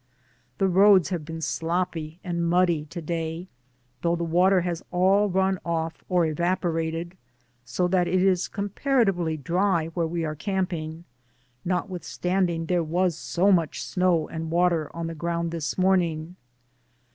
The roads have been sloppy and muddy to day, though the water has all run off or evap orated, so that it is comparatively dry where we are camping, notwithstanding there was so much snow and water on the ground this morning.